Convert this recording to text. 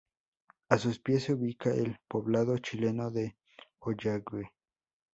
A sus pies se ubica el poblado chileno de Ollagüe.